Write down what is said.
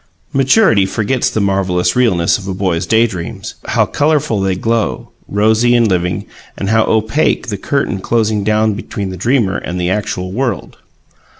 Maturity forgets the marvellous realness of a boy's day dreams, how colourful they glow, rosy and living, and how opaque the curtain closing down between the dreamer and the actual world.